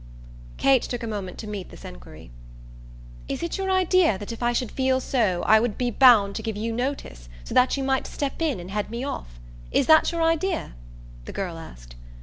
Kate took a moment to meet this enquiry. "Is it your idea that if I should feel so I would be bound to give you notice, so that you might step in and head me off? Is that your idea?" the girl asked.